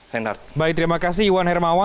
renard baik terima kasih iwan hermawan